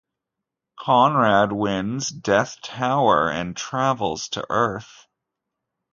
Conrad wins "Death Tower", and travels to Earth.